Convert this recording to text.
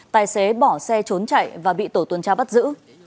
tài xế bỏ xe trốn chạy và bị tổ tuần tra bắt giữ